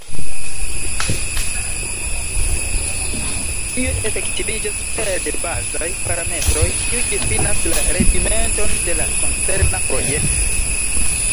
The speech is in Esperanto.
Tio efektiviĝas pere de bazaj parametroj, kiuj difinas la rendimenton de la koncerna projekto.